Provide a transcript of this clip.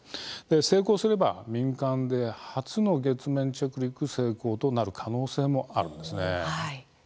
成功すれば民間で初の月面着陸成功となる可能性もあるんですね。